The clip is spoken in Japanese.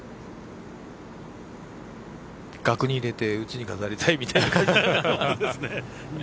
額に入れてうちに飾りたいみたいな感じだ。